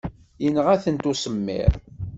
Yenɣa-tent usemmiḍ.